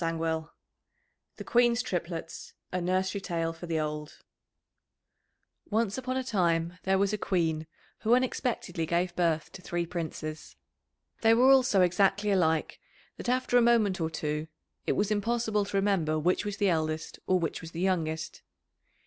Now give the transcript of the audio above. [Illustration: The Queen's Triplets, a Nursery Tale for the old] Once upon a time there was a Queen who unexpectedly gave birth to three Princes. They were all so exactly alike that after a moment or two it was impossible to remember which was the eldest or which was the youngest.